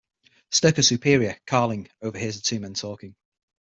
Sturka's superior Carling overhears the two men talking.